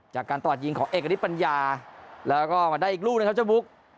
จากการตรวจยิงของเอกณิตปัญญาแล้วก็มาได้อีกลูกนะครับเจ้าบุ๊ก